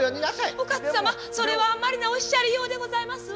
お勝様それはあんまりなおっしゃりようでございますわ。